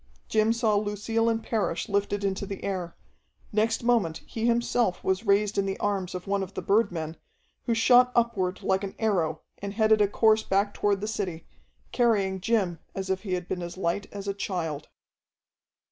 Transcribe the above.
Jim saw Lucille and Parrish lifted into the air; next moment he himself was raised in the arms of one of the birdmen, who shot upward like an arrow and headed a course back toward the city, carrying Jim as if he had been as light as a child.